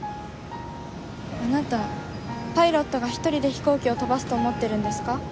あなたパイロットが一人で飛行機を飛ばすと思ってるんですか？